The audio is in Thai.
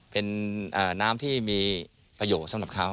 เป็นน้ำที่มีประโยชน์สำหรับเขา